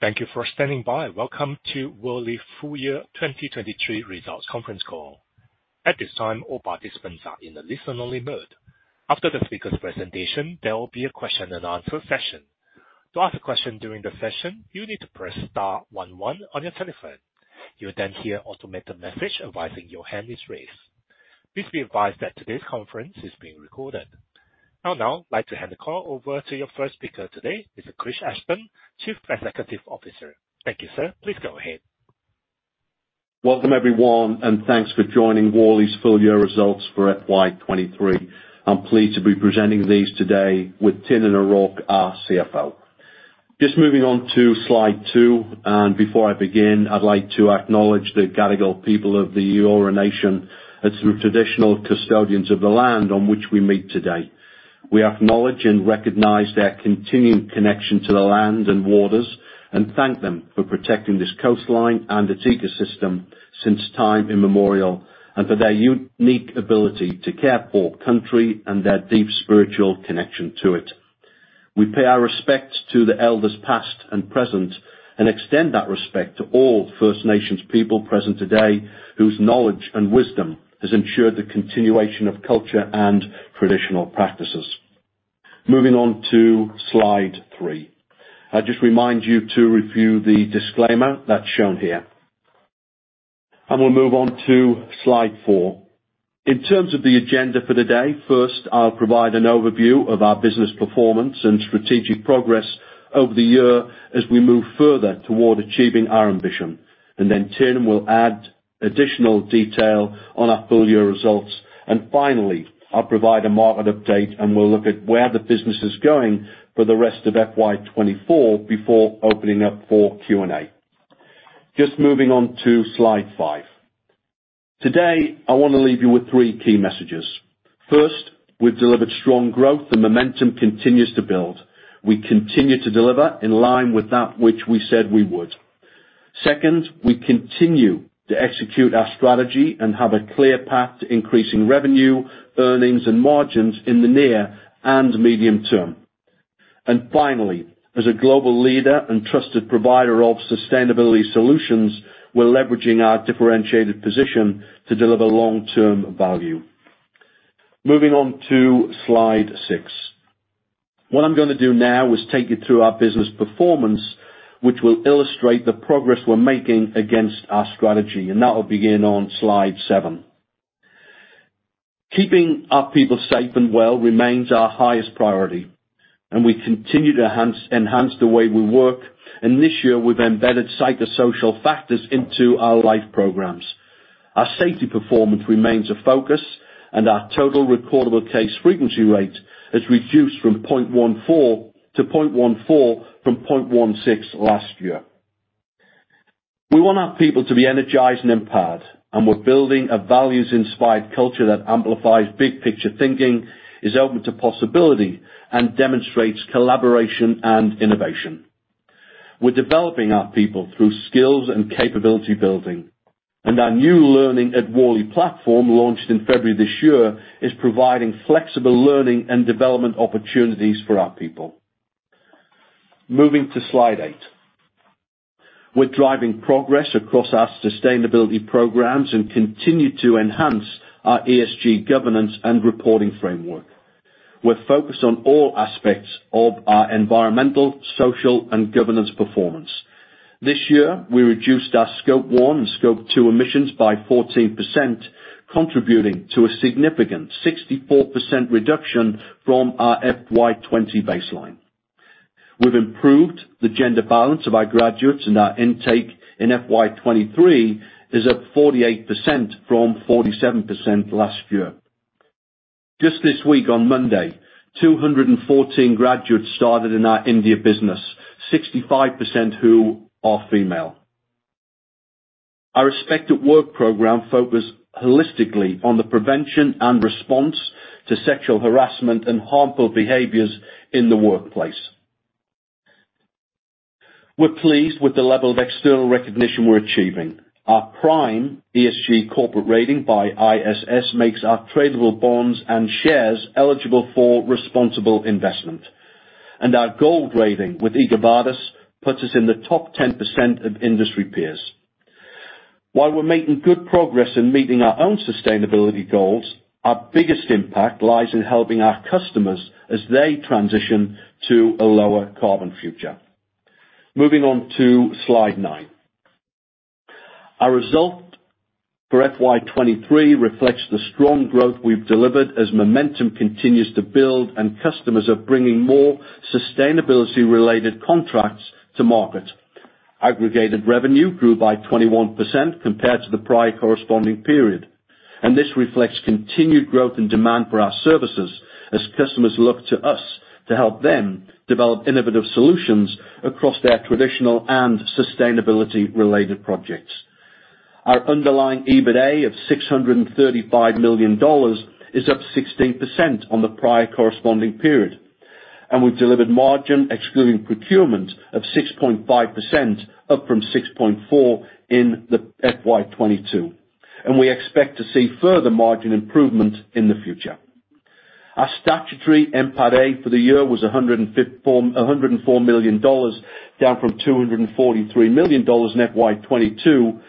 Thank you for standing by. Welcome to Worley Full Year 2023 Results Conference Call. At this time, all participants are in a listen-only mode. After the speaker's presentation, there will be a question and answer session. To ask a question during the session, you need to press star one one on your telephone. You will then hear an automated message advising your hand is raised. Please be advised that today's conference is being recorded. I would now like to hand the call over to your first speaker today, Mr. Chris Ashton, Chief Executive Officer. Thank you, sir. Please go ahead. Welcome, everyone, thanks for joining Worley's Full Year Results for FY23. I'm pleased to be presenting these today with Tiernan O'Rourke, our CFO. Just moving on to slide two, and before I begin, I'd like to acknowledge the Gadigal people of the Eora Nation as the traditional custodians of the land on which we meet today. We acknowledge and recognize their continued connection to the land and waters, and thank them for protecting this coastline and its ecosystem since time immemorial, and for their unique ability to care for country and their deep spiritual connection to it. We pay our respects to the elders, past and present, and extend that respect to all First Nations people present today, whose knowledge and wisdom has ensured the continuation of culture and traditional practices. Moving on to slide three. I just remind you to review the disclaimer that's shown here. We'll move on to slide four. In terms of the agenda for the day, first, I'll provide an overview of our business performance and strategic progress over the year as we move further toward achieving our ambition. Then Tiernan will add additional detail on our full year results. Finally, I'll provide a market update, and we'll look at where the business is going for the rest of FY24 before opening up for Q&A. Just moving on to slide five. Today, I want to leave you with three key messages. First, we've delivered strong growth and momentum continues to build. We continue to deliver in line with that which we said we would. Second, we continue to execute our strategy and have a clear path to increasing revenue, earnings, and margins in the near and medium term. Finally, as a global leader and trusted provider of sustainability solutions, we're leveraging our differentiated position to deliver long-term value. Moving on to slide six. What I'm going to do now is take you through our business performance, which will illustrate the progress we're making against our strategy, and that will begin on slide seven. Keeping our people safe and well remains our highest priority. We continue to enhance the way we work, and this year we've embedded psychosocial factors into our Life programs. Our safety performance remains a focus. Our Total Recordable Case Frequency Rate has reduced from 0.14 to 0.14 from 0.16 last year. We want our people to be energized and empowered. We're building a values-inspired culture that amplifies big picture thinking, is open to possibility, and demonstrates collaboration and innovation. We're developing our people through skills and capability building. Our new Learning at Worley platform, launched in February this year, is providing flexible learning and development opportunities for our people. Moving to slide eight. We're driving progress across our sustainability programs and continue to enhance our ESG governance and reporting framework. We're focused on all aspects of our environmental, social, and governance performance. This year, we reduced our Scope one and Scope two emissions by 14%, contributing to a significant 64% reduction from our FY20 baseline. We've improved the gender balance of our graduates. Our intake in FY23 is up 48% from 47% last year. Just this week, on Monday, 214 graduates started in our India business, 65% who are female. Our Respect at Work program focused holistically on the prevention and response to sexual harassment and harmful behaviors in the workplace. We're pleased with the level of external recognition we're achieving. Our prime ESG corporate rating by ISS makes our tradable bonds and shares eligible for responsible investment. Our gold rating with EcoVadis puts us in the top 10% of industry peers. While we're making good progress in meeting our own sustainability goals, our biggest impact lies in helping our customers as they transition to a lower carbon future. Moving on to slide nine. Our result for FY23 reflects the strong growth we've delivered as momentum continues to build and customers are bringing more sustainability-related contracts to market. Aggregated revenue grew by 21% compared to the prior corresponding period. This reflects continued growth and demand for our services as customers look to us to help them develop innovative solutions across their traditional and sustainability-related projects. Our underlying EBITA of $635 million is up 16% on the prior corresponding period. We've delivered margin excluding procurement of 6.5%, up from 6.4 in the FY22. We expect to see further margin improvement in the future.... Our statutory NPAT for the year was $104 million, down from $243 million in FY22.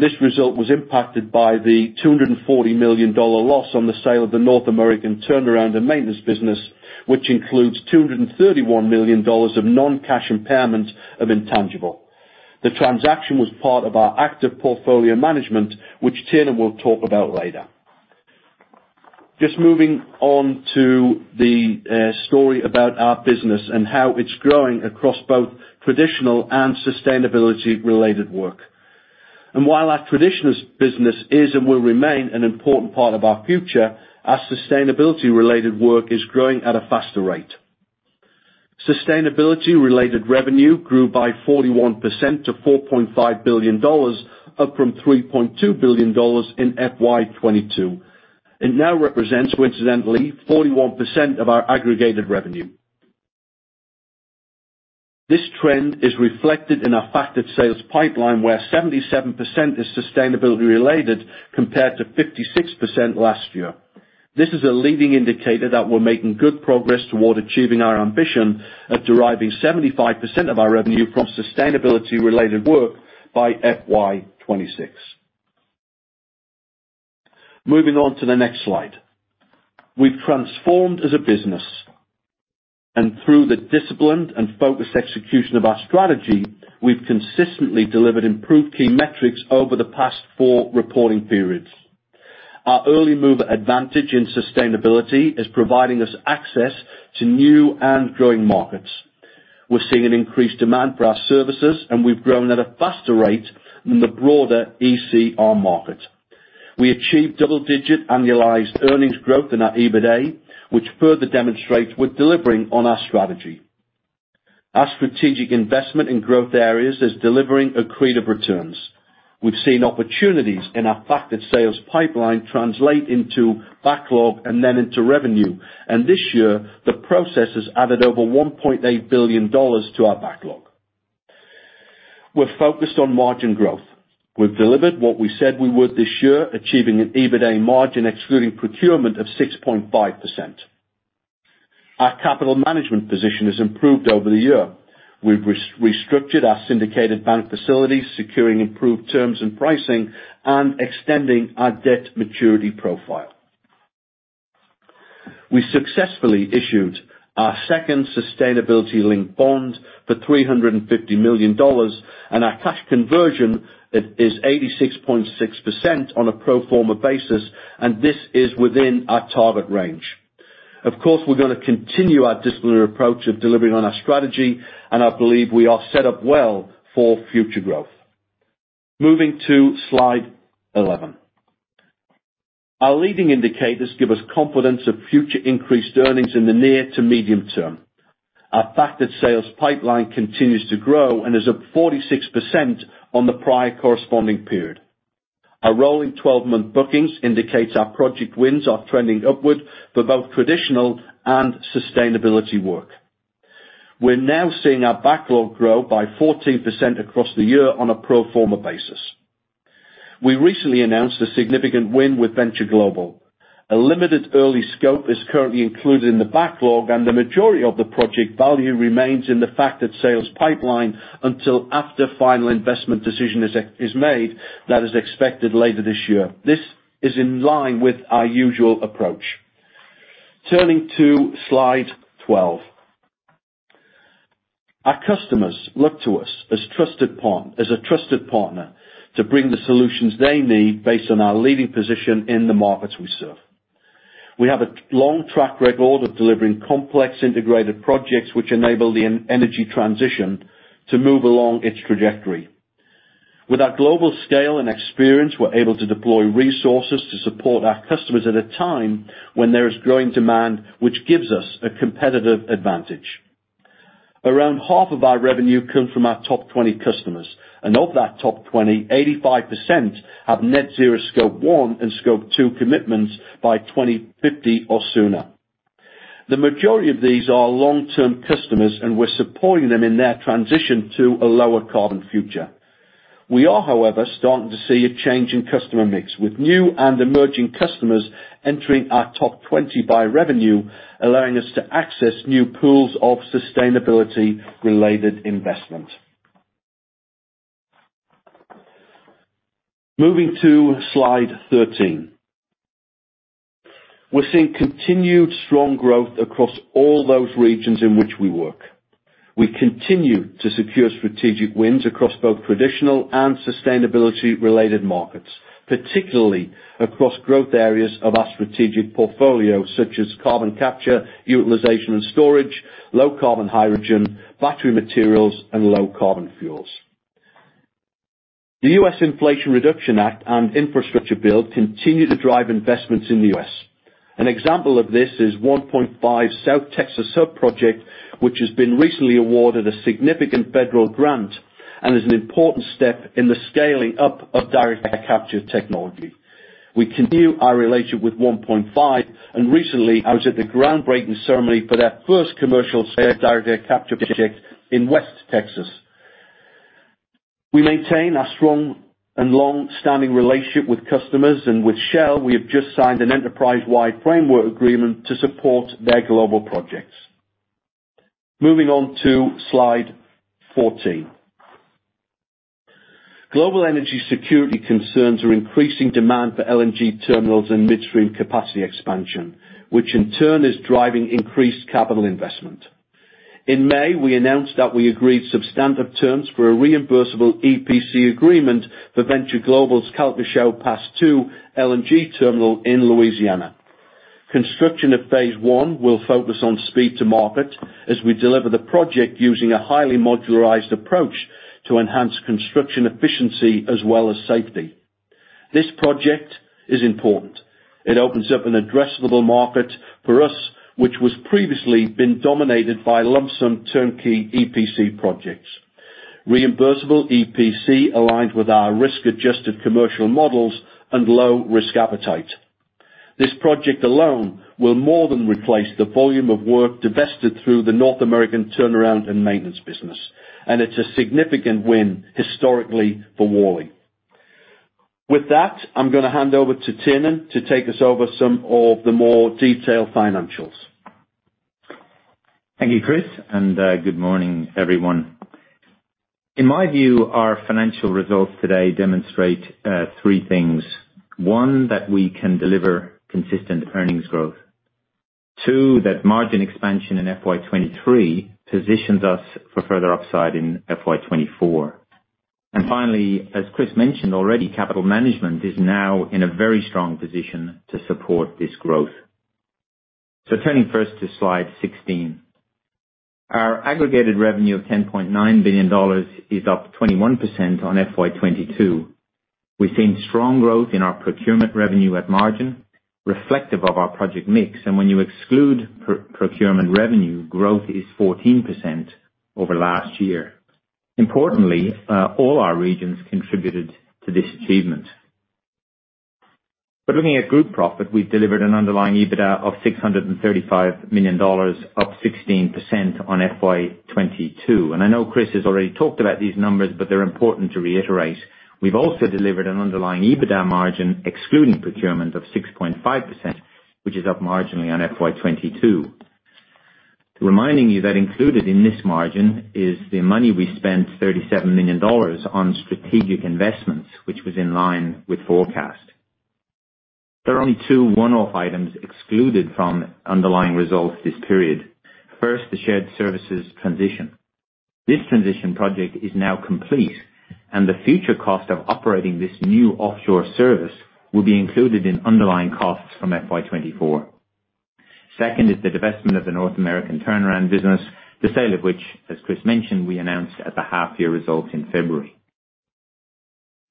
This result was impacted by the $240 million loss on the sale of the North American turnaround and maintenance business, which includes $231 million of non-cash impairment of intangible. The transaction was part of our active portfolio management, which Tiernan will talk about later. Just moving on to the story about our business and how it's growing across both traditional and sustainability-related work. While our traditional business is and will remain an important part of our future, our sustainability-related work is growing at a faster rate. Sustainability-related revenue grew by 41% to $4.5 billion, up from $3.2 billion in FY22. It now represents, coincidentally, 41% of our aggregated revenue. This trend is reflected in our factored sales pipeline, where 77% is sustainability related, compared to 56% last year. This is a leading indicator that we're making good progress toward achieving our ambition of deriving 75% of our revenue from sustainability-related work by FY26. Moving on to the next slide. We've transformed as a business, and through the disciplined and focused execution of our strategy, we've consistently delivered improved key metrics over the past four reporting periods. Our early mover advantage in sustainability is providing us access to new and growing markets. We're seeing an increased demand for our services, and we've grown at a faster rate than the broader ECR market. We achieved double-digit annualized earnings growth in our EBITA, which further demonstrates we're delivering on our strategy. Our strategic investment in growth areas is delivering accretive returns. We've seen opportunities in our factored sales pipeline translate into backlog and then into revenue. This year, the process has added over $1.8 billion to our backlog. We're focused on margin growth. We've delivered what we said we would this year, achieving an EBITA margin, excluding procurement, of 6.5%. Our capital management position has improved over the year. We've restructured our syndicated bank facilities, securing improved terms and pricing and extending our debt maturity profile. We successfully issued our second sustainability-linked bond for $350 million. Our cash conversion is 86.6% on a pro forma basis, and this is within our target range. Of course, we're going to continue our disciplinary approach of delivering on our strategy. I believe we are set up well for future growth. Moving to Slide 11. Our leading indicators give us confidence of future increased earnings in the near to medium term. Our factored sales pipeline continues to grow and is up 46% on the prior corresponding period. Our rolling 12-month bookings indicates our project wins are trending upward for both traditional and sustainability work. We're now seeing our backlog grow by 14% across the year on a pro forma basis. We recently announced a significant win with Venture Global. A limited early scope is currently included in the backlog. The majority of the project value remains in the factored sales pipeline until after final investment decision is made. That is expected later this year. This is in line with our usual approach. Turning to slide 12. Our customers look to us as a trusted partner, to bring the solutions they need based on our leading position in the markets we serve. We have a long track record of delivering complex, integrated projects which enable the energy transition to move along its trajectory. With our global scale and experience, we're able to deploy resources to support our customers at a time when there is growing demand, which gives us a competitive advantage. Around half of our revenue come from our top 20 customers, and of that top 20, 85% have net zero Scope one and Scope two commitments by 2050 or sooner. The majority of these are long-term customers, and we're supporting them in their transition to a lower carbon future. We are, however, starting to see a change in customer mix, with new and emerging customers entering our top 20 by revenue, allowing us to access new pools of sustainability-related investment. Moving to Slide 13. We're seeing continued strong growth across all those regions in which we work. We continue to secure strategic wins across both traditional and sustainability-related markets, particularly across growth areas of our strategic portfolio, such as carbon capture, utilization and storage, low carbon hydrogen, battery materials, and low carbon fuels. The US Inflation Reduction Act and Infrastructure Bill continue to drive investments in the US. An example of this is 1PointFive South Texas sub-project, which has been recently awarded a significant federal grant and is an important step in the scaling up of Direct Air Capture technology. We continue our relationship with 1PointFive. Recently, I was at the groundbreaking ceremony for their first commercial Direct Air Capture project in West Texas. We maintain a strong and long-standing relationship with customers. With Shell, we have just signed an enterprise-wide framework agreement to support their global projects. Moving on to slide 14. Global energy security concerns are increasing demand for LNG terminals and midstream capacity expansion, which in turn is driving increased capital investment. In May, we announced that we agreed substantive terms for a reimbursable EPC agreement for Venture Global's Calcasieu Pass 2 LNG terminal in Louisiana. Construction of phase I will focus on speed to market as we deliver the project using a highly modularized approach to enhance construction efficiency as well as safety. This project is important. It opens up an addressable market for us, which was previously been dominated by lump-sum turnkey EPC projects. Reimbursable EPC aligned with our risk-adjusted commercial models and low risk appetite. This project alone will more than replace the volume of work divested through the North American turnaround and maintenance business, and it's a significant win historically for Worley. With that, I'm gonna hand over to Tiernan to take us over some of the more detailed financials. Thank you, Chris. Good morning, everyone. In my view, our financial results today demonstrate three things. One, that we can deliver consistent earnings growth. Two, that margin expansion in FY2023 positions us for further upside in FY2024. Finally, as Chris mentioned already, capital management is now in a very strong position to support this growth. Turning first to slide 16. Our aggregated revenue of $10.9 billion is up 21% on FY2022. We've seen strong growth in our procurement revenue at margin, reflective of our project mix, and when you exclude procurement revenue, growth is 14% over last year. Importantly, all our regions contributed to this achievement. Looking at group profit, we've delivered an underlying EBITDA of $635 million, up 16% on FY2022. I know Chris has already talked about these numbers, but they're important to reiterate. We've also delivered an underlying EBITDA margin, excluding procurement, of 6.5%, which is up marginally on FY22. Reminding you that included in this margin is the money we spent, $37 million, on strategic investments, which was in line with forecast. There are only two one-off items excluded from underlying results this period. First, the shared services transition. This transition project is now complete, and the future cost of operating this new offshore service will be included in underlying costs from FY24. Second is the divestment of the North American turnaround business, the sale of which, as Chris mentioned, we announced at the half-year results in February.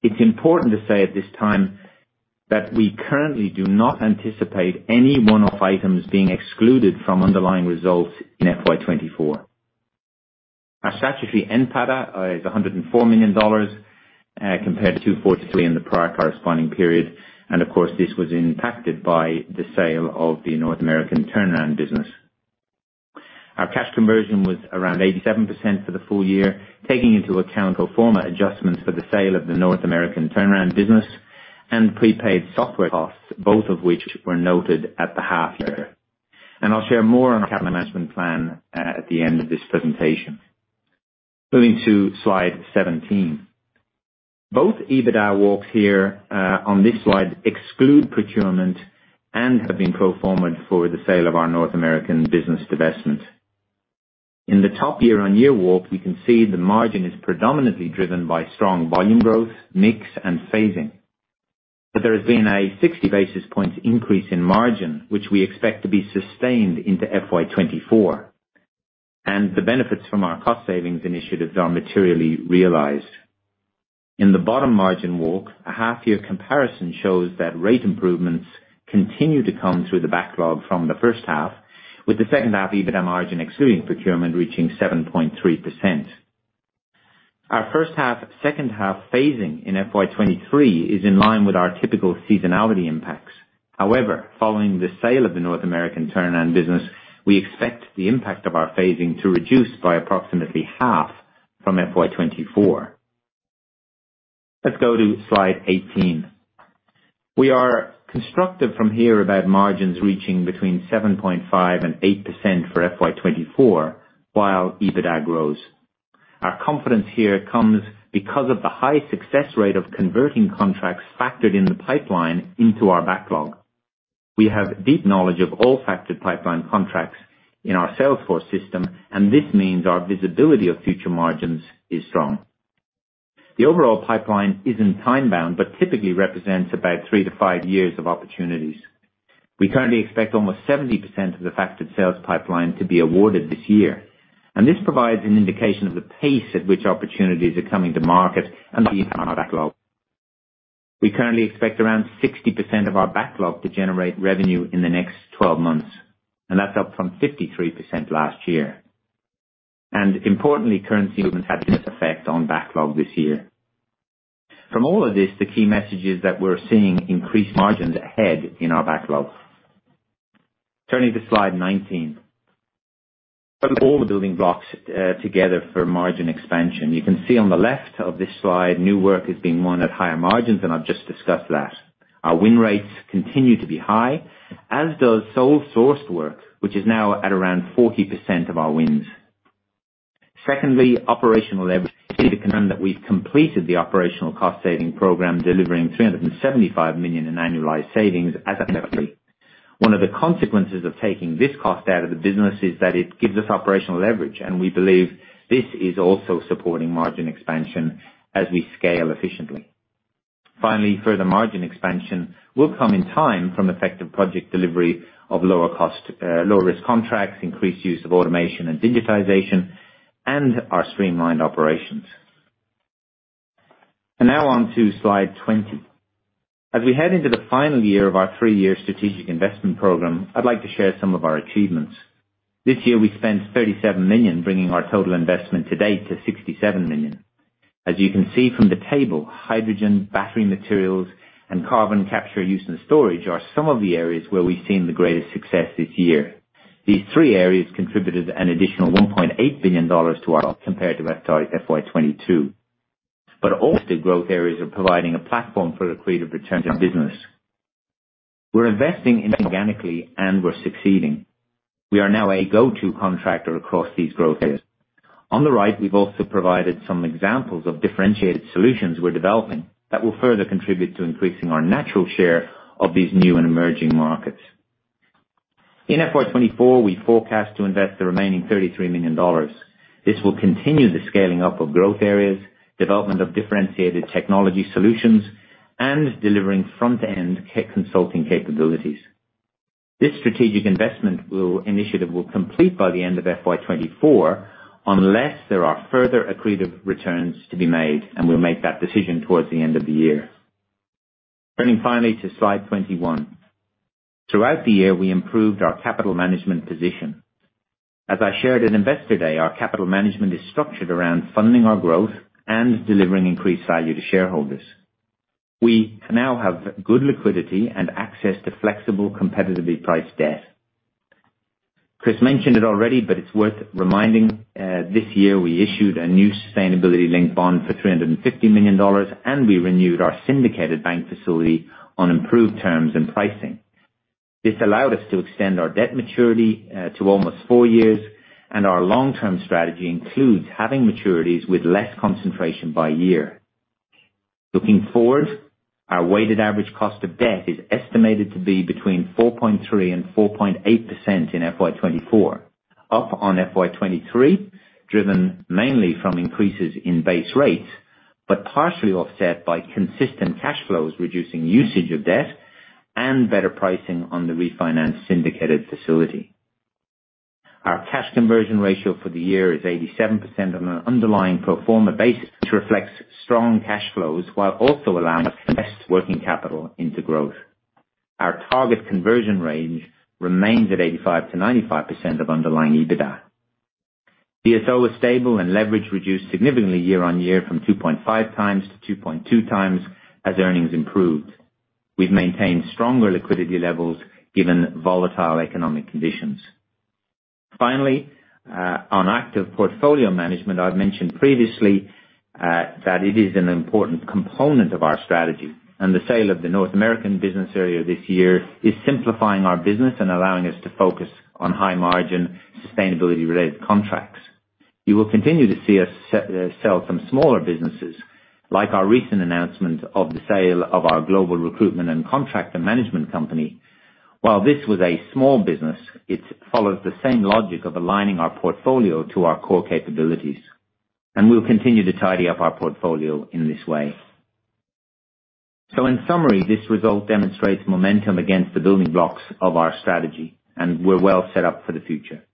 It's important to say at this time that we currently do not anticipate any one-off items being excluded from underlying results in FY24. Our statutory NPATA is $104 million, compared to $43 million in the prior corresponding period, and of course, this was impacted by the sale of the North American turnaround business. Our cash conversion was around 87% for the full year, taking into account pro forma adjustments for the sale of the North American turnaround business and prepaid software costs, both of which were noted at the half year. I'll share more on our capital management plan at the end of this presentation. Moving to slide 17. Both EBITDA walks here on this slide exclude procurement and have been pro forma'd for the sale of our North American business divestment. In the top year-on-year walk, we can see the margin is predominantly driven by strong volume growth, mix, and phasing. There has been a 60 basis points increase in margin, which we expect to be sustained into FY24, and the benefits from our cost savings initiatives are materially realized. In the bottom margin walk, a half-year comparison shows that rate improvements continue to come through the backlog from the first half, with the second half EBITDA margin, excluding procurement, reaching 7.3%. Our H1, H2 phasing in FY23 is in line with our typical seasonality impacts. However, following the sale of the North American turnaround business, we expect the impact of our phasing to reduce by approximately half from FY24. Let's go to slide 18. We are constructive from here about margins reaching between 7.5% and 8% for FY24, while EBITDA grows. Our confidence here comes because of the high success rate of converting contracts factored in the pipeline into our backlog. We have deep knowledge of all factored pipeline contracts in our Salesforce system. This means our visibility of future margins is strong. The overall pipeline isn't time-bound, but typically represents about three-five years of opportunities. We currently expect almost 70% of the factored sales pipeline to be awarded this year. This provides an indication of the pace at which opportunities are coming to market and the backlog. We currently expect around 60% of our backlog to generate revenue in the next 12 months, and that's up from 53% last year. Importantly, currency movements have this effect on backlog this year. From all of this, the key message is that we're seeing increased margins ahead in our backlog. Turning to slide 19. Put all the building blocks together for margin expansion. You can see on the left of this slide, new work is being won at higher margins, and I've just discussed that. Our win rates continue to be high, as does sole sourced work, which is now at around 40% of our wins. Secondly, operational leverage, that we've completed the operational cost saving program, delivering $375 million in annualized savings as a. One of the consequences of taking this cost out of the business is that it gives us operational leverage, and we believe this is also supporting margin expansion as we scale efficiently. Finally, further margin expansion will come in time from effective project delivery of lower cost, lower risk contracts, increased use of automation and digitization, and our streamlined operations. Now on to slide 20. As we head into the final year of our three-year strategic investment program, I'd like to share some of our achievements. This year, we spent $37 million, bringing our total investment to date to $67 million. As you can see from the table, hydrogen, battery materials, and carbon capture use and storage are some of the areas where we've seen the greatest success this year. These three areas contributed an additional $1.8 billion to our compared to FY, FY22. All the growth areas are providing a platform for accretive returns in business. We're investing in organically, and we're succeeding. We are now a go-to contractor across these growth areas. On the right, we've also provided some examples of differentiated solutions we're developing that will further contribute to increasing our natural share of these new and emerging markets. In FY24, we forecast to invest the remaining $33 million. This will continue the scaling up of growth areas, development of differentiated technology solutions, and delivering front-end consulting capabilities. This strategic investment initiative, will complete by the end of FY24, unless there are further accretive returns to be made, and we'll make that decision towards the end of the year. Turning finally to slide 21. Throughout the year, we improved our capital management position. As I shared in Investor Day, our capital management is structured around funding our growth and delivering increased value to shareholders. We now have good liquidity and access to flexible, competitively priced debt. Chris mentioned it already. It's worth reminding, this year, we issued a new sustainability-linked bond for $350 million. We renewed our syndicated bank facility on improved terms and pricing. This allowed us to extend our debt maturity to almost four years. Our long-term strategy includes having maturities with less concentration by year. Looking forward, our weighted average cost of debt is estimated to be between 4.3% and 4.8% in FY24, up on FY23, driven mainly from increases in base rates, partially offset by consistent cash flows, reducing usage of debt and better pricing on the refinanced syndicated facility. Our cash conversion ratio for the year is 87% on an underlying pro forma basis, which reflects strong cash flows while also allowing us to invest working capital into growth. Our target conversion range remains at 85%-95% of underlying EBITDA. DSO was stable and leverage reduced significantly year-on-year from 2.5x to 2.2x as earnings improved. We've maintained stronger liquidity levels given volatile economic conditions. Finally, on active portfolio management, I've mentioned previously that it is an important component of our strategy. The sale of the North American business area this year is simplifying our business and allowing us to focus on high-margin, sustainability-related contracts. You will continue to see us sell some smaller businesses, like our recent announcement of the sale of our global recruitment and contractor management company. While this was a small business, it follows the same logic of aligning our portfolio to our core capabilities. We'll continue to tidy up our portfolio in this way. In summary, this result demonstrates momentum against the building blocks of our strategy, and we're well set up for the future.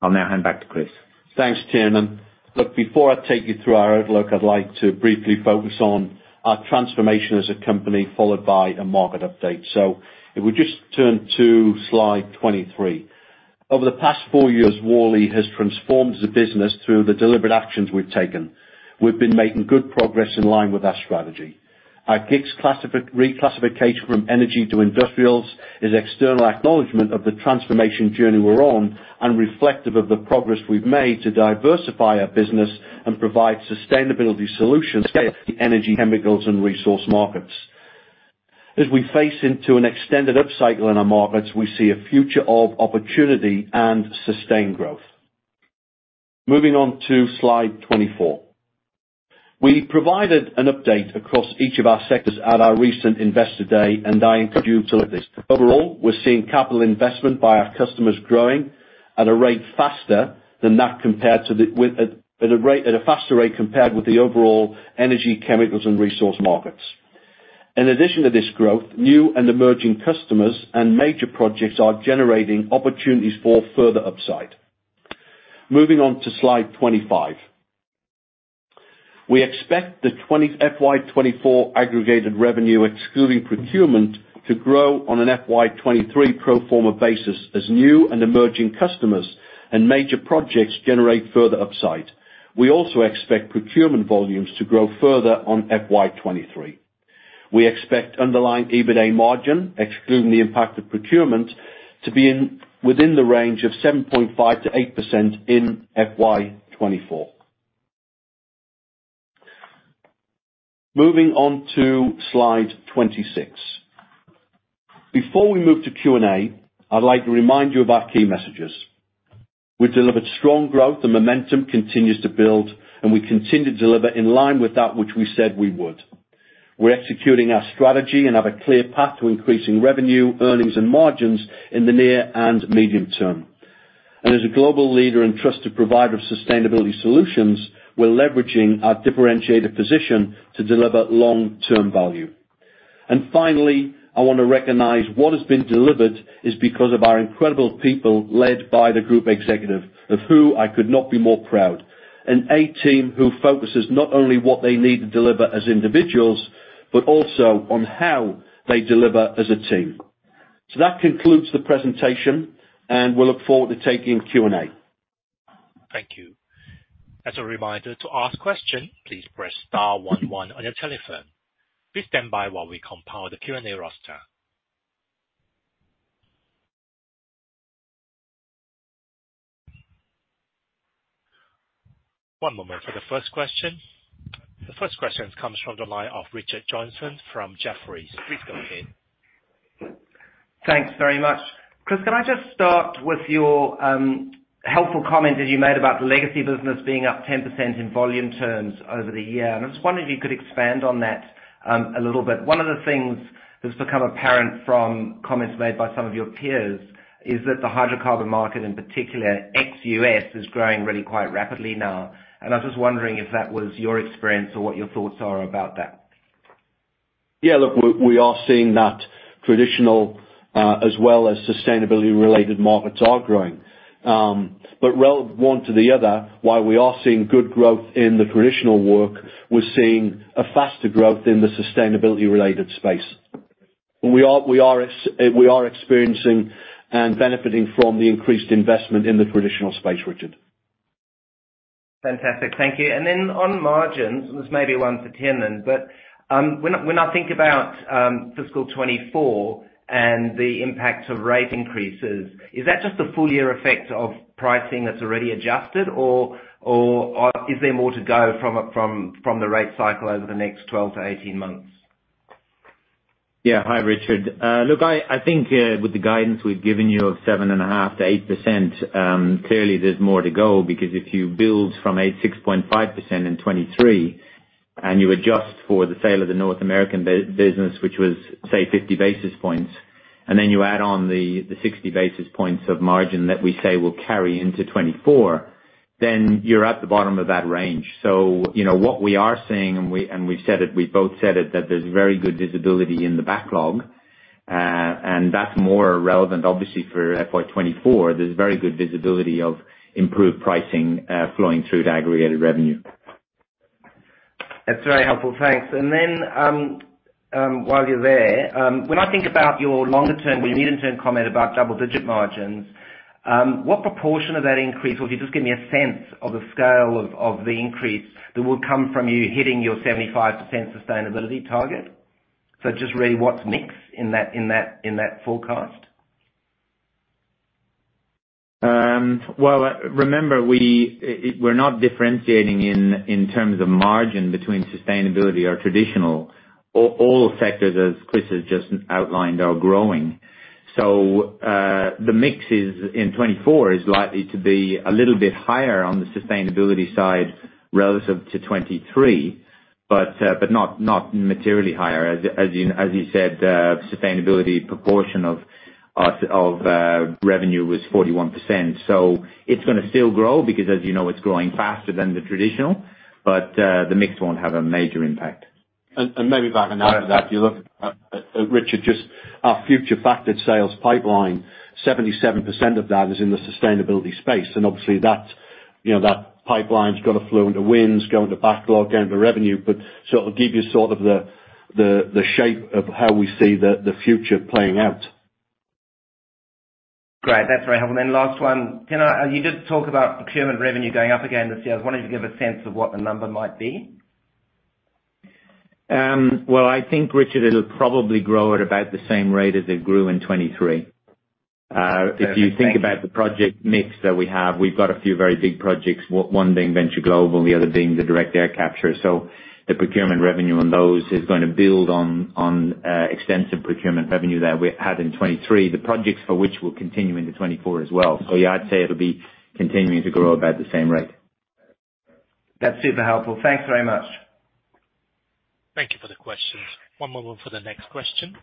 I'll now hand back to Chris. Thanks, Tiernan. Look, before I take you through our outlook, I'd like to briefly focus on our transformation as a company, followed by a market update. If we just turn to slide 23. Over the past four years, Worley has transformed as a business through the deliberate actions we've taken. We've been making good progress in line with our strategy. Our GICS reclassification from energy to industrials is external acknowledgment of the transformation journey we're on, and reflective of the progress we've made to diversify our business and provide sustainability solutions, energy, chemicals, and resource markets. As we face into an extended upcycle in our markets, we see a future of opportunity and sustained growth. Moving on to slide 24. We provided an update across each of our sectors at our recent Investor Day, and I encourage you to look at this. Overall, we're seeing capital investment by our customers growing at a rate faster than that compared to the overall energy, chemicals, and resource markets. In addition to this growth, new and emerging customers and major projects are generating opportunities for further upside. Moving on to slide 25. We expect the FY24 aggregated revenue, excluding procurement, to grow on an FY23 pro forma basis as new and emerging customers and major projects generate further upside. We also expect procurement volumes to grow further on FY23. We expect underlying EBITA margin, excluding the impact of procurement, to be within the range of 7.5%-8% in FY24. Moving on to slide 26. Before we move to Q&A, I'd like to remind you of our key messages. We delivered strong growth and momentum continues to build, and we continue to deliver in line with that which we said we would. We're executing our strategy and have a clear path to increasing revenue, earnings, and margins in the near and medium term. As a global leader and trusted provider of sustainability solutions, we're leveraging our differentiated position to deliver long-term value. Finally, I want to recognize what has been delivered is because of our incredible people, led by the group executive, of who I could not be more proud. An A-team who focuses not only what they need to deliver as individuals, but also on how they deliver as a team. That concludes the presentation, and we'll look forward to taking Q&A. Thank you. As a reminder, to ask question, please press star 11 on your telephone. Please stand by while we compile the Q&A roster. One moment for the first question. The first question comes from the line of Richard Johnson from Jefferies. Please go ahead. Thanks very much. Chris, can I just start with your helpful comment that you made about the legacy business being up 10% in volume terms over the year, and I was wondering if you could expand on that a little bit. One of the things that's become apparent from comments made by some of your peers is that the hydrocarbon market, in particular, ex-US, is growing really quite rapidly now, and I was just wondering if that was your experience or what your thoughts are about that? Yeah, look, we, we are seeing that traditional, as well as sustainability-related markets are growing. One to the other, while we are seeing good growth in the traditional work, we're seeing a faster growth in the sustainability-related space. We are, we are experiencing and benefiting from the increased investment in the traditional space, Richard. Fantastic. Thank you. Then on margins, this may be one for Tiernan, but when I, when I think about fiscal 2024 and the impact of rate increases, is that just a full year effect of pricing that's already adjusted, or, or is there more to go from a, from, from the rate cycle over the next 12-18 months? Yeah. Hi, Richard. Look, I, I think, with the guidance we've given you of 7.5%-8%, clearly there's more to go, because if you build from a 6.5% in 2023, and you adjust for the sale of the North American business, which was, say, 50 basis points, and then you add on the, the 60 basis points of margin that we say will carry into 2024, then you're at the bottom of that range. You know, what we are seeing, and we, and we've said it, we've both said it, that there's very good visibility in the backlog, and that's more relevant obviously for FY24. There's very good visibility of improved pricing, flowing through to aggregated revenue. That's very helpful, thanks. While you're there, when I think about your longer term, well, your medium-term comment about double-digit margins, what proportion of that increase, or if you just give me a sense of the scale of the increase that will come from you hitting your 75% sustainability target? Just really what's mixed in that, in that, in that forecast. Well, remember, we're not differentiating in terms of margin between sustainability or traditional. All sectors, as Chris has just outlined, are growing. The mix is, in 2024, is likely to be a little bit higher on the sustainability side relative to 2023, but not materially higher. As you said, sustainability proportion of revenue was 41%. It's gonna still grow, because as you know, it's growing faster than the traditional, but the mix won't have a major impact. maybe if I can add to that. If you look at Richard, just our future factored sales pipeline, 77% of that is in the sustainability space. Obviously that, you know, that pipeline's got to flow into wins, go into backlog, go into revenue, but so it'll give you sort of the, the, the shape of how we see the, the future playing out. Great, that's very helpful. Last one. You did talk about procurement revenue going up again this year. I was wondering if you could give a sense of what the number might be? Well, I think, Richard, it'll probably grow at about the same rate as it grew in 2023. Perfect. Thank you. If you think about the project mix that we have, we've got a few very big projects, one being Venture Global, the other being the Direct Air Capture. The procurement revenue on those is going to build on extensive procurement revenue that we had in 2023, the projects for which will continue into 2024 as well. Yeah, I'd say it'll be continuing to grow about the same rate. That's super helpful. Thanks very much. Thank you for the questions. One moment for the next question.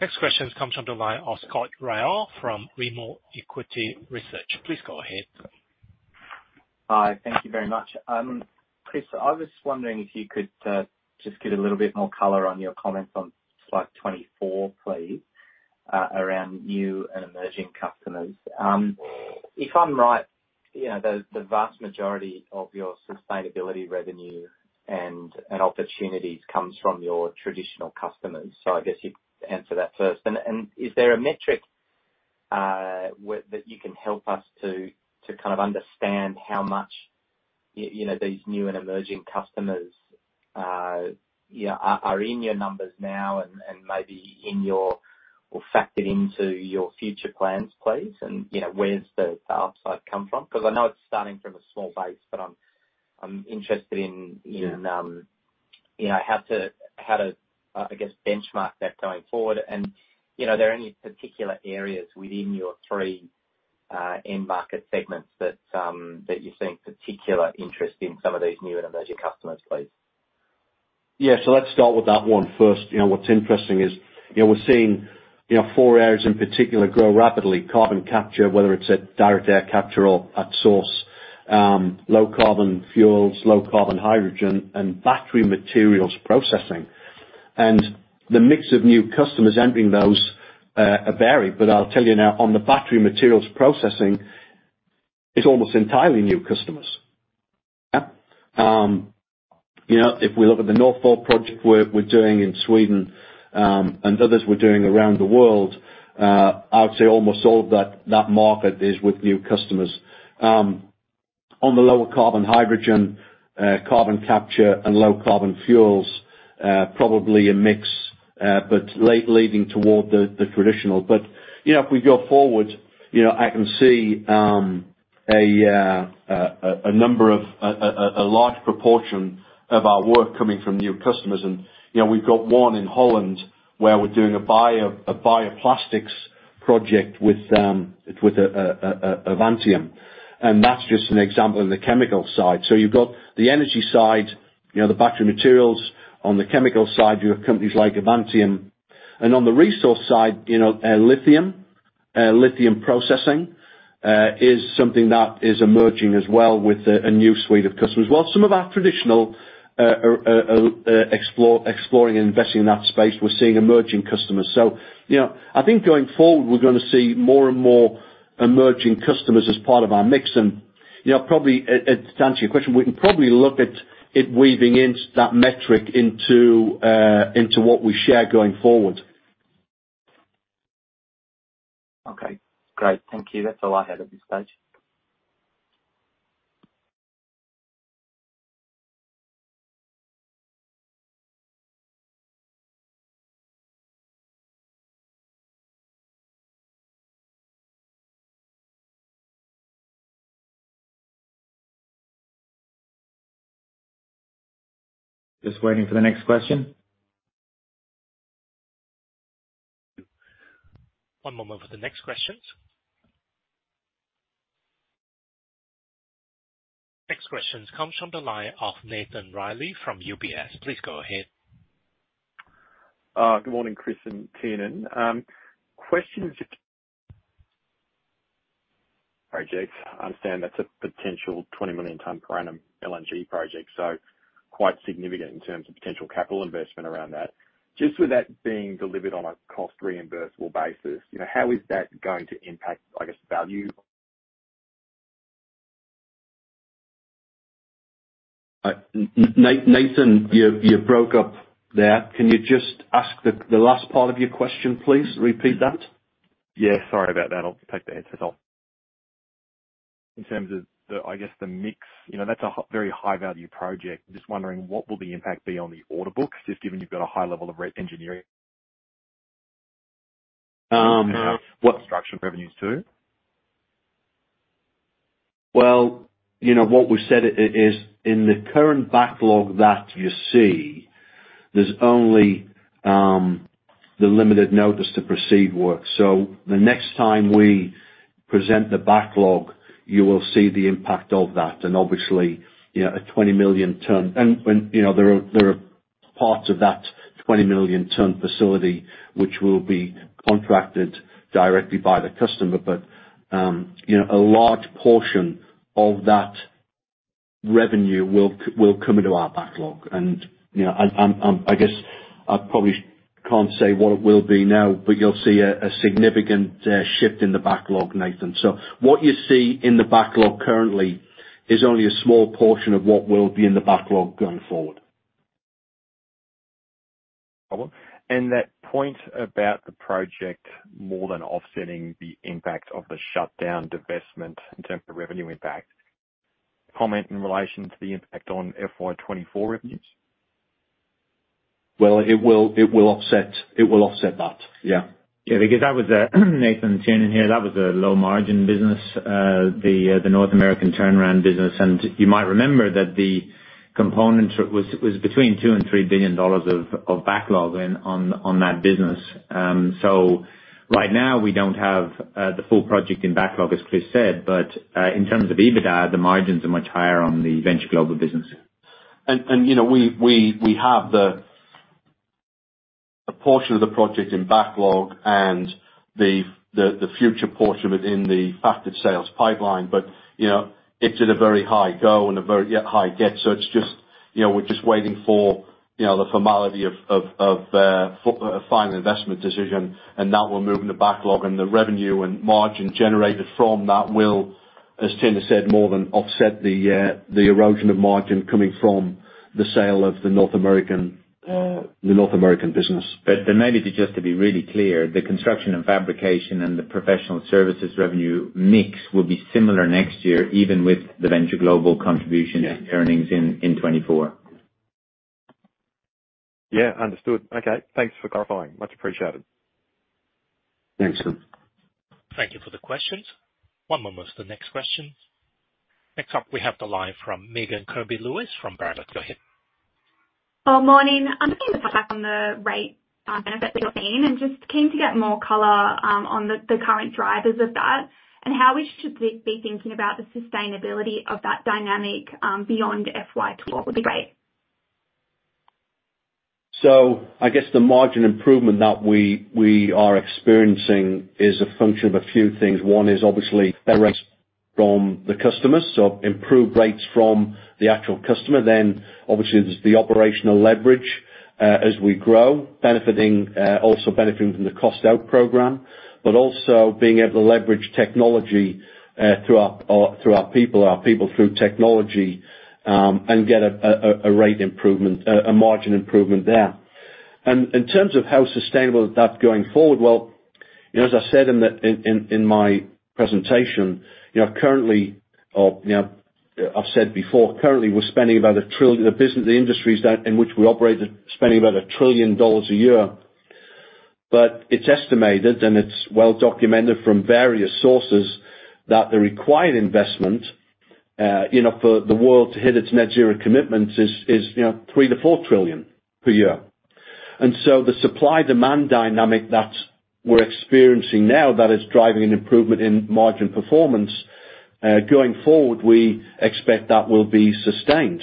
Next question comes from the line of Scott Ryall from Rimor Equity Research. Please go ahead. Hi, thank you very much. Chris, I was wondering if you could just give a little bit more color on your comments on slide 24, please, around new and emerging customers. If I'm right, you know, the, the vast majority of your sustainability revenue and, and opportunities comes from your traditional customers, so I guess you'd answer that first. And, is there a metric-... with, that you can help us to, to kind of understand how much, you know, these new and emerging customers, you know, are, are in your numbers now and, and maybe in your, or factored into your future plans, please? You know, where's the, the upside come from? Because I know it's starting from a small base, but I'm, I'm interested in, in- Yeah. you know, how to, how to, I guess, benchmark that going forward. You know, are there any particular areas within your three end market segments that you're seeing particular interest in some of these new and emerging customers, please? Yeah. Let's start with that one first. You know, what's interesting is, you know, we're seeing, you know, four areas in particular grow rapidly: carbon capture, whether it's at Direct Air Capture or at source, low carbon fuels, low carbon hydrogen, and battery materials processing. The mix of new customers entering those are varied, but I'll tell you now, on the battery materials processing, it's almost entirely new customers. Yeah. You know, if we look at the Northvolt project we're, we're doing in Sweden, and others we're doing around the world, I would say almost all of that, that market is with new customers. On the lower carbon hydrogen, carbon capture and low carbon fuels, probably a mix, but leaning toward the, the traditional. You know, if we go forward, you know, I can see a number of, a large proportion of our work coming from new customers. You know, we've got one in Holland where we're doing a bioplastics project with, with Avantium, and that's just an example on the chemical side. You've got the energy side, you know, the battery materials. On the chemical side, you have companies like Avantium. On the resource side, you know, lithium, lithium processing is something that is emerging as well with a new suite of customers, while some of our traditional, exploring and investing in that space, we're seeing emerging customers. You know, I think going forward, we're gonna see more and more emerging customers as part of our mix. You know, probably, to answer your question, we can probably look at it weaving into that metric into what we share going forward. Okay, great. Thank you. That's all I had at this stage. Just waiting for the next question. One moment for the next questions. Next questions comes from the line of Nathan Reilly from UBS. Please go ahead. Good morning, Chris and Tiernan. Question is... projects. I understand that's a potential 20 million ton per annum LNG project, so quite significant in terms of potential capital investment around that. Just with that being delivered on a cost reimbursable basis, you know, how is that going to impact, I guess, value? Nathan, you, you broke up there. Can you just ask the, the last part of your question, please? Repeat that. Yeah, sorry about that. I'll take the headset off. In terms of the, I guess, the mix, you know, that's a very high value project. Just wondering, what will the impact be on the order books, just given you've got a high level of re-engineering? Um -construction revenues, too? Well, you know, what we said is in the current backlog that you see, there's only the limited notice to proceed work. The next time we present the backlog, you will see the impact of that, and obviously, you know, a 20 million ton... You know, there are, there are parts of that 20 million ton facility which will be contracted directly by the customer, but, you know, a large portion of that revenue will come into our backlog. You know, I guess I probably can't say what it will be now, but you'll see a significant shift in the backlog, Nathan. What you see in the backlog currently is only a small portion of what will be in the backlog going forward. That point about the project more than offsetting the impact of the shutdown divestment in terms of revenue impact, comment in relation to the impact on FY24 revenues? Well, it will offset that. Yeah. Yeah, because that was Nathan, Tiernan here. That was a low-margin business, the North American turnaround business. You might remember that the component was between $2-3 billion of backlog on that business. Right now we don't have the full project in backlog, as Chris said, but in terms of EBITDA, the margins are much higher on the Venture Global business. You know, we have the, a portion of the project in backlog and the future portion of it in the factored sales pipeline. You know, it's at a very high go and a very, yeah, high get. It's just, you know, we're just waiting for, you know, the formality of a final investment decision, and that will move in the backlog, and the revenue and margin generated from that will. As Tiernan has said, more than offset the erosion of margin coming from the sale of the North American, the North American business. Maybe just to be really clear, the construction and fabrication and the professional services revenue mix will be similar next year, even with the Venture Global contribution. Yeah. earnings in 2024. Yeah, understood. Okay, thanks for clarifying. Much appreciated. Thanks, Tim. Thank you for the questions. One moment for the next question. Next up, we have the line from Megan Kirby-Lewis from Barrenjoey. Go ahead. Good morning. I'm thinking back on the rate benefit that you're in, and just keen to get more color on the current drivers of that, and how we should be thinking about the sustainability of that dynamic beyond FY24 would be great. I guess the margin improvement that we are experiencing is a function of a few things. One is obviously better rates from the customers, so improved rates from the actual customer. Obviously, there's the operational leverage as we grow, benefiting also benefiting from the cost out program. Also being able to leverage technology through our through our people, our people through technology, and get a rate improvement, a margin improvement there. In terms of how sustainable that's going forward, well, you know, as I said in my presentation, you know, currently or, you know, I've said before, the business, the industries that, in which we operate, are spending about $1 trillion a year. It's estimated, and it's well documented from various sources, that the required investment, you know, for the world to hit its net zero commitment is, is, you know, $3 trillion-$4 trillion per year. So the supply-demand dynamic that we're experiencing now, that is driving an improvement in margin performance, going forward, we expect that will be sustained.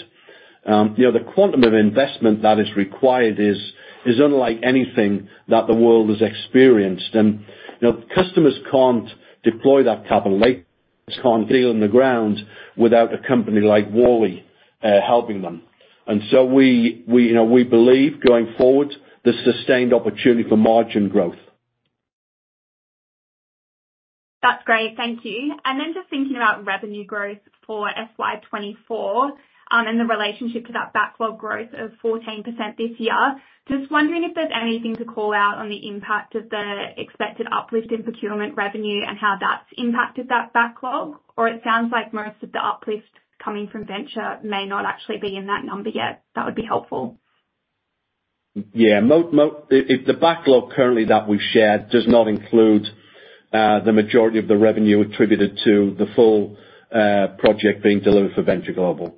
You know, the quantum of investment that is required is, is unlike anything that the world has experienced. You know, customers can't deploy that capital. They just can't deal on the ground without a company like Worley, helping them. So we, we, you know, we believe, going forward, the sustained opportunity for margin growth. That's great. Thank you. Then just thinking about revenue growth for FY24, and the relationship to that backlog growth of 14% this year. Just wondering if there's anything to call out on the impact of the expected uplift in procurement revenue and how that's impacted that backlog? Or it sounds like most of the uplift coming from Venture may not actually be in that number yet. That would be helpful. Yeah, the backlog currently that we've shared does not include the majority of the revenue attributed to the full project being delivered for Venture Global.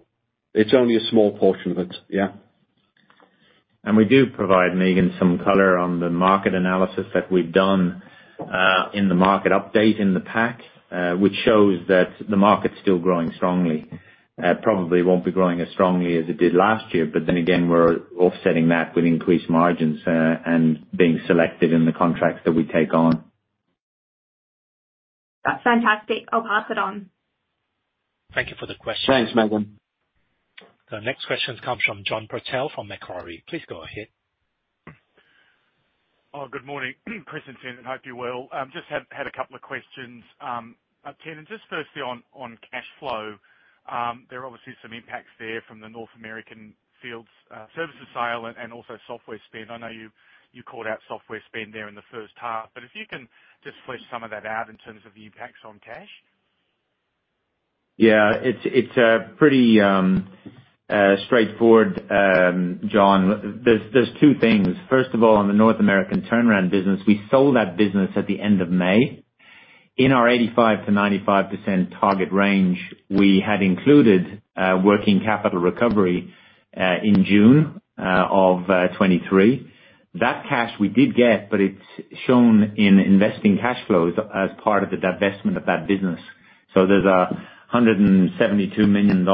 It's only a small portion of it. Yeah. We do provide, Megan, some color on the market analysis that we've done in the market update in the pack, which shows that the market's still growing strongly. Probably won't be growing as strongly as it did last year, but then again, we're offsetting that with increased margins and being selected in the contracts that we take on. That's fantastic. I'll pass it on. Thank you for the question. Thanks, Megan. The next question comes from John Purtell from Macquarie. Please go ahead. Oh, good morning, Chris and Tiernan, hope you're well. Just have had a couple of questions, Tiernan, and just firstly on cash flow. There are obviously some impacts there from the North American fields services sale and also software spend. I know you called out software spend there in the H1, but if you can just flesh some of that out in terms of the impacts on cash. Yeah, it's, it's pretty straightforward, John. There's, there's two things. First of all, on the North American turnaround business, we sold that business at the end of May. In our 85%-95% target range, we had included working capital recovery in June of 2023. That cash we did get, but it's shown in investing cash flows as part of the divestment of that business. There's a $172 million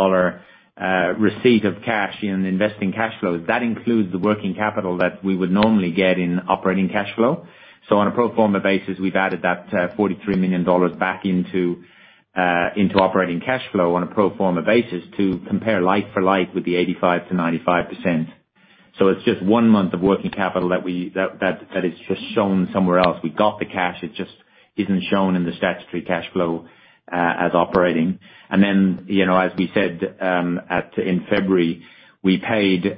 receipt of cash in investing cash flows. That includes the working capital that we would normally get in operating cash flow. On a pro forma basis, we've added that $43 million back into operating cash flow on a pro forma basis to compare like for like with the 85%-95%. It's just one month of working capital that we that is just shown somewhere else. We got the cash, it just isn't shown in the statutory cash flow as operating. Then, you know, as we said, in February, we paid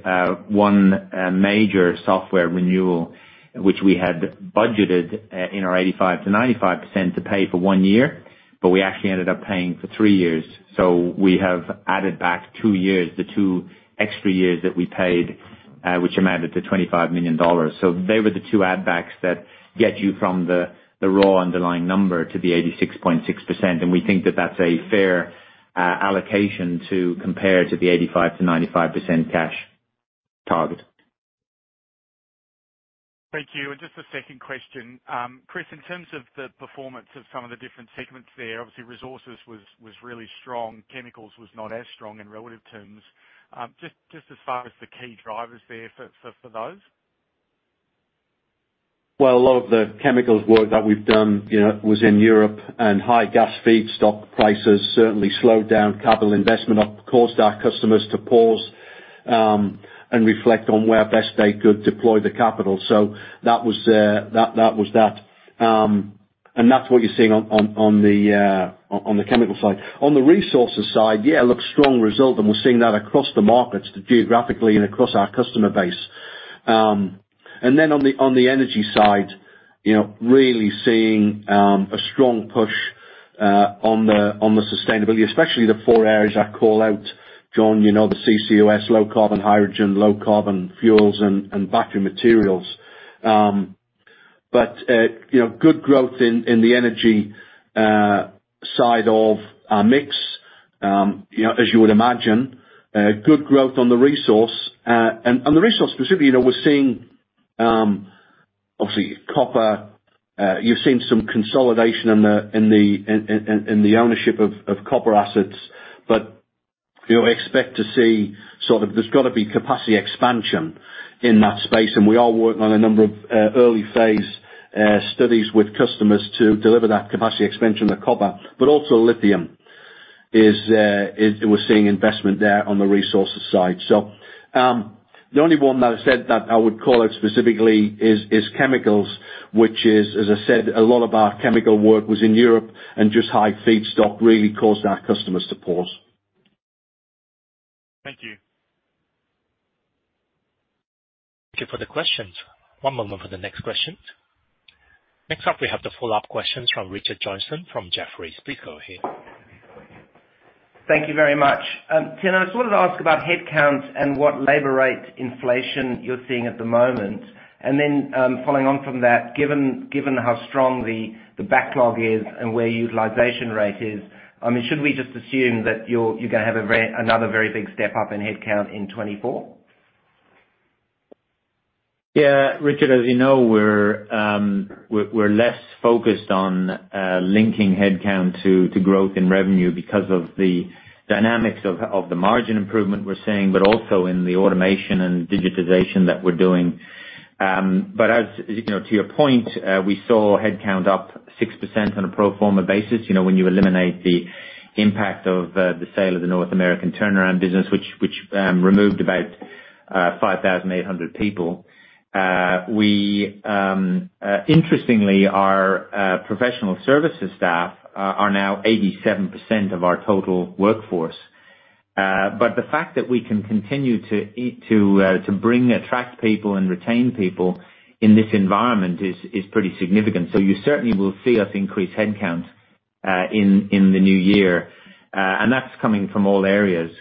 one major software renewal, which we had budgeted in our 85%-95% to pay for one year, but we actually ended up paying for three years. We have added back two years, the two extra years that we paid, which amounted to $25 million. They were the two add backs that get you from the raw underlying number to the 86.6%, and we think that that's a fair allocation to compare to the 85%-95% cash target. Thank you. Just a second question. Chris, in terms of the performance of some of the different segments there, obviously Resources was, was really strong. Chemicals was not as strong in relative terms. Just, just as far as the key drivers there for, for, for those? Well, a lot of the chemicals work that we've done, you know, was in Europe, and high gas feedstock prices certainly slowed down capital investment, caused our customers to pause... and reflect on where best they could deploy the capital. That was, that, that was that. That's what you're seeing on, on, on the, on, on the chemical side. On the resources side, yeah, look, strong result, and we're seeing that across the markets, geographically and across our customer base. On the, on the energy side, you know, really seeing, a strong push, on the, on the sustainability, especially the four areas I call out, John, you know, the CCUS, low carbon hydrogen, low carbon fuels, and, and battery materials. You know, good growth in, in the energy, side of our mix. You know, as you would imagine, good growth on the resource. The resource specifically, you know, we're seeing, obviously copper, you've seen some consolidation in the ownership of copper assets. You know, expect to see sort of there's got to be capacity expansion in that space, and we are working on a number of early phase studies with customers to deliver that capacity expansion of copper. Also lithium is, we're seeing investment there on the resources side. The only one that I said that I would call out specifically is, is chemicals, which is, as I said, a lot of our chemical work was in Europe, and just high feedstock really caused our customers to pause. Thank you. Thank you for the questions. One moment for the next questions. Next up, we have the follow-up questions from Richard Johnson from Jefferies. Please go ahead. Thank you very much. Tiernan, I just wanted to ask about headcounts and what labor rate inflation you're seeing at the moment. Then, following on from that, given how strong the backlog is and where utilization rate is, I mean, should we just assume that you're, you're gonna have another very big step up in headcount in 2024? Yeah. Richard, as you know, we're, we're less focused on linking headcount to growth in revenue because of the dynamics of the margin improvement we're seeing, but also in the automation and digitization that we're doing. As, you know, to your point, we saw headcount up 6% on a pro forma basis, you know, when you eliminate the impact of the sale of the North American turnaround business, which, which, removed about 5,800 people. We, interestingly, our professional services staff are now 87% of our total workforce. The fact that we can continue to bring, attract people and retain people in this environment is, is pretty significant. You certainly will see us increase headcount in, in the new year, and that's coming from all areas.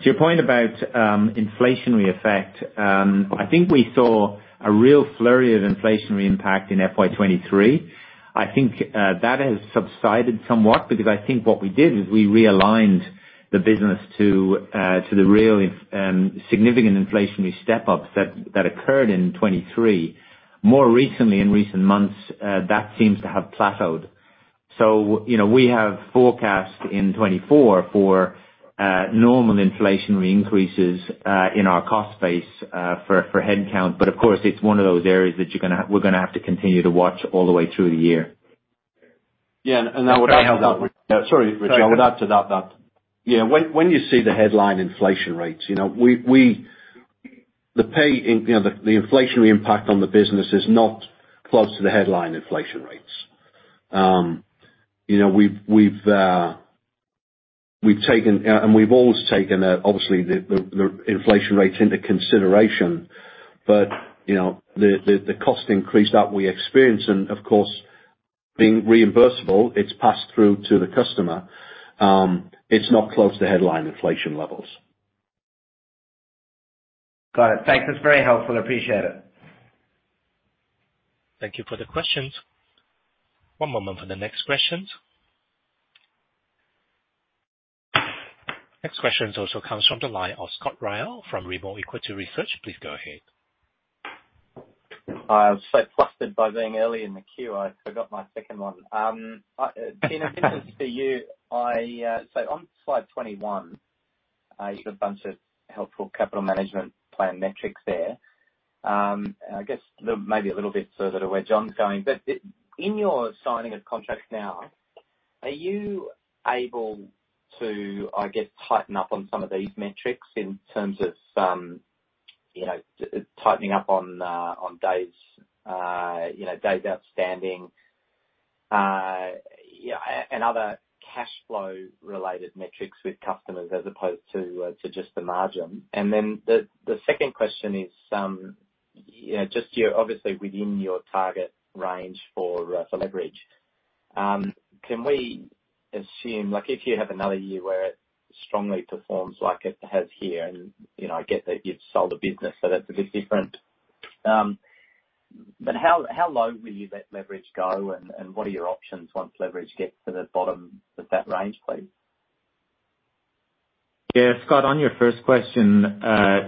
To your point about inflationary effect, I think we saw a real flurry of inflationary impact in FY23. I think that has subsided somewhat, because I think what we did is we realigned the business to the real significant inflationary step-ups that, that occurred in 2023. More recently, in recent months, that seems to have plateaued. You know, we have forecast in 2024 for normal inflationary increases in our cost base for, for headcount. Of course, it's one of those areas that we're gonna have to continue to watch all the way through the year. Yeah, and I would add to that. Sorry, Richard, I would add to that, that, yeah, when, when you see the headline inflation rates, you know, we, we the pay in, you know, the, the inflationary impact on the business is not close to the headline inflation rates. You know, we've, we've, we've taken, and we've always taken, obviously the, the, the inflation rates into consideration, but, you know, the, the, the cost increase that we experience, and of course, being reimbursable, it's passed through to the customer, it's not close to headline inflation levels. Got it. Thanks. It's very helpful. I appreciate it. Thank you for the questions. One moment for the next questions. Next question also comes from the line of Scott Ryall from Rimor Equity Research. Please go ahead. I was so flustered by being early in the queue, I forgot my second one. Tina, this is for you. I, on slide 21, you've got a bunch of helpful capital management plan metrics there. I guess maybe a little bit further to where John's going, but in your signing of contracts now, are you able to, I guess, tighten up on some of these metrics in terms of tightening up on days, days outstanding, and other cash flow related metrics with customers as opposed to just the margin? The second question is, just you're obviously within your target range for leverage. Can we assume, like, if you have another year where it strongly performs like it has here, and, you know, I get that you've sold a business, so that's a bit different. How, how low will you let leverage go, and, and what are your options once leverage gets to the bottom of that range, please? Yeah, Scott, on your first question,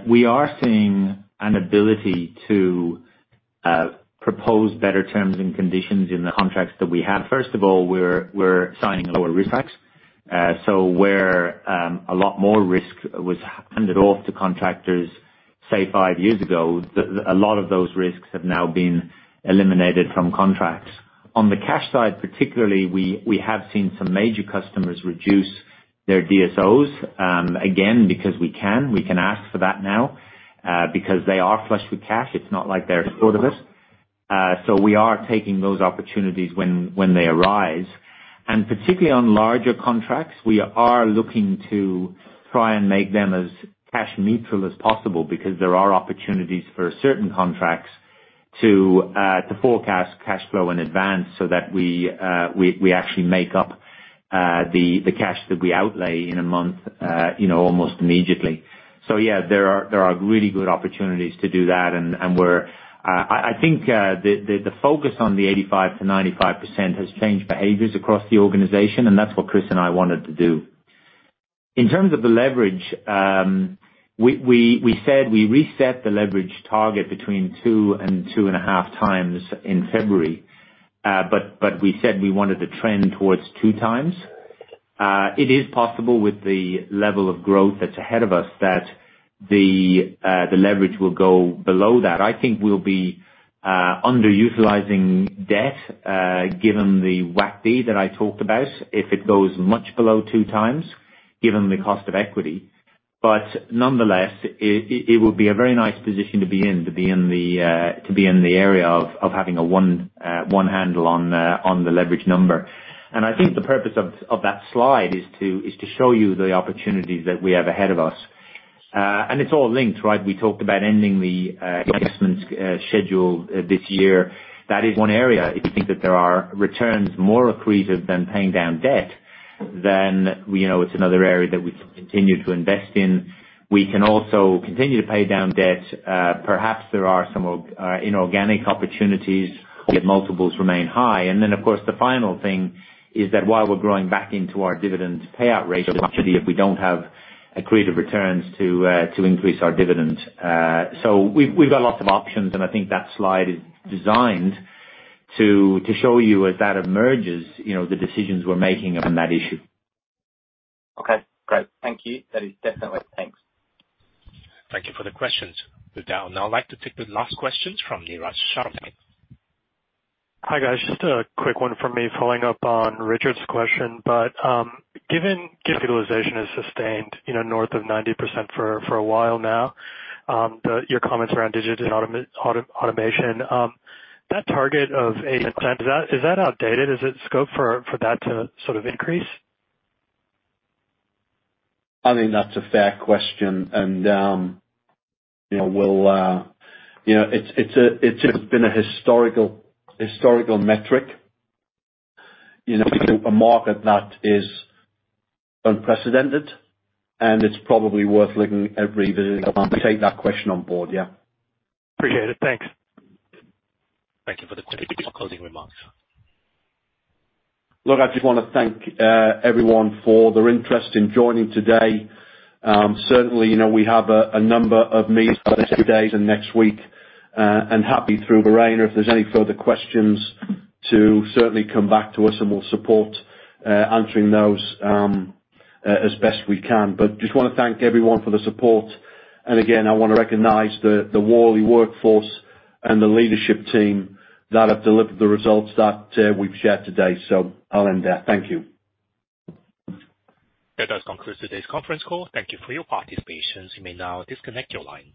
we are seeing an ability to propose better terms and conditions in the contracts that we have. First of all, we're signing lower risk packs. Where a lot more risk was handed off to contractors, say five years ago, a lot of those risks have now been eliminated from contracts. On the cash side, particularly, we have seen some major customers reduce their DSOs, again, because we can ask for that now, because they are flush with cash. It's not like they're short of it. We are taking those opportunities when they arise. Particularly on larger contracts, we are looking to try and make them as cash neutral as possible because there are opportunities for certain contracts to forecast cash flow in advance so that we, we actually make up the cash that we outlay in a month, you know, almost immediately. Yeah, there are, there are really good opportunities to do that, and, and we're I, I think the focus on the 85%-95% has changed behaviors across the organization, and that's what Chris and I wanted to do. In terms of the leverage, we, we, we said we reset the leverage target between two and 2.5 times in February, but, but we said we wanted to trend towards two times. le with the level of growth that's ahead of us that the leverage will go below that. I think we'll be underutilizing debt, given the WACC that I talked about, if it goes much below two times, given the cost of equity. But nonetheless, it would be a very nice position to be in, to be in the area of having a 1 handle on the leverage number. I think the purpose of that slide is to show you the opportunities that we have ahead of us. It's all linked, right? We talked about ending the investments schedule this year. That is one area if you think that there are returns more accretive than paying down debt, then, you know, it's another area that we continue to invest in. We can also continue to pay down debt. Perhaps there are some inorganic opportunities, yet multiples remain high. Then, of course, the final thing is that while we're growing back into our dividend payout ratio, if we don't have accretive returns to, to increase our dividend. We've, we've got lots of options, and I think that slide is designed to, to show you as that emerges, you know, the decisions we're making on that issue. Okay, great. Thank you. That is definitely... Thanks. Thank you for the questions, Viren. I'd like to take the last questions from Neeraj Sharma. Hi, guys. Just a quick one from me, following up on Richard's question. Given capitalization is sustained, you know, north of 90% for, for a while now, the, your comments around digital and automation, that target of 80%, is that, is that outdated? Is it scope for, for that to sort of increase? I think that's a fair question, and, you know, we'll, you know, it's just been a historical, historical metric. You know, a market that is unprecedented, and it's probably worth looking every visit. We take that question on board. Yeah. Appreciate it. Thanks. Thank you for the closing remarks. Look, I just want to thank everyone for their interest in joining today. Certainly, you know, we have a number of meetings over the next few days and next week, happy through Lorraine, or if there's any further questions, to certainly come back to us and we'll support answering those as best we can. Just want to thank everyone for the support. Again, I want to recognize the Worley workforce and the leadership team that have delivered the results that we've shared today. I'll end there. Thank you. That does conclude today's conference call. Thank you for your participation. You may now disconnect your lines.